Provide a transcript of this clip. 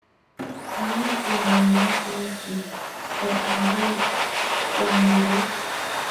Amu chi nemochei kiy ko agoi konguruch